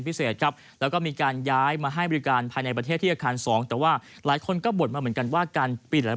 พิเศษครับแล้วก็มีการย้ายมาให้บริการภายในประเทศที่อาคารสองแต่ว่าหลายคนก็บ่นมาเหมือนกันว่าการปิดแล้ว